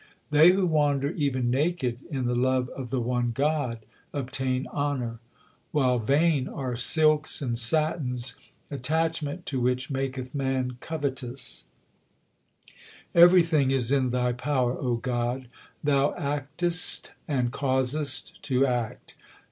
They who wander even naked in the love of the one God obtain honour, While vain are silks and satins, attachment to which maketh man covetous. 24 THE SIKH RELIGION Everything is in Thy power, O God ; Thou actest and causes! to act.